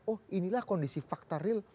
oh inilah kondisi fakta real